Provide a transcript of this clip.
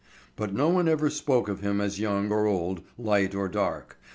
But no one ever spoke of him as young or old, light or dark.